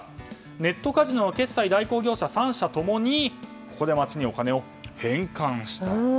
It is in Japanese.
ネットカジノの決済代行業者３社共に町にお金を返還した。